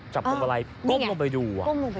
มันก้มลงไปดู